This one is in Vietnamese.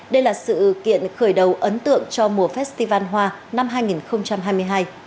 đây là sự kiện khởi đầu ấn tượng cho mùa festival hoa năm hai nghìn hai mươi hai